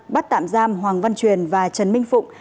bắt tạm giam hoàng văn truyền và trần minh phụng